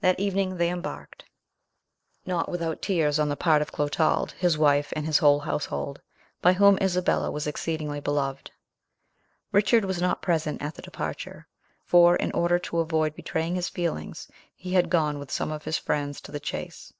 That evening they embarked, not without tears on the part of Clotald, his wife, and his whole household, by whom Isabella was exceedingly beloved. Richard was not present at the departure, for, in order to avoid betraying his feelings, he had gone with some of his friends to the chase.